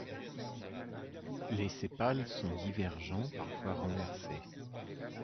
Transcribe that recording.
Les sépales sont divergents, parfois renversés.